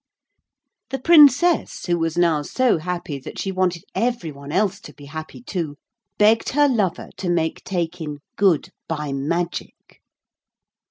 The Princess, who was now so happy that she wanted every one else to be happy too, begged her lover to make Taykin good 'by magic.'